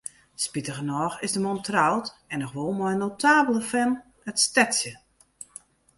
Spitigernôch is de man troud, en noch wol mei in notabele fan it stedsje.